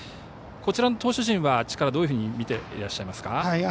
こちらの投手陣の力はどのように見ていらっしゃいますか？